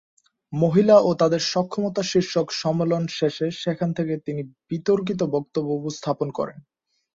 মহিলা ও তাদের সক্ষমতা শীর্ষক সম্মেলন শেষে সেখানে তিনি বিতর্কিত বক্তব্য উপস্থাপন করেন।